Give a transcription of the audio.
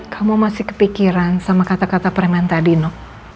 kamu masih kepikiran sama kata kata preman tadi ino